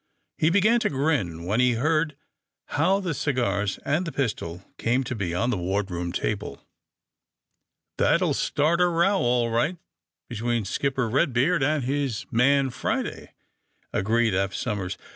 He began to grin when he heard how the cigars and the pistol came to be •on the wardroom table. * ^That'll start a row, all right, between Skip per Redbeard and his man, Friday," agreed Eph Somers.